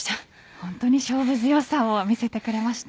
本当に勝負強さを見せてくれました。